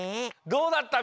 どうだった？